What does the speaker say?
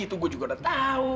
itu gue juga udah tahu